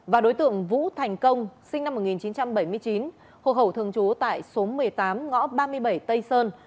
và đối tượng vũ thành công sinh năm một nghìn chín trăm bảy mươi chín hộ khẩu thường trú tại số một mươi tám ngõ ba mươi bảy tây sơn